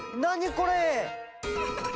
これ！